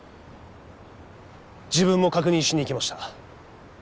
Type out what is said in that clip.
自分も確認しに行きました。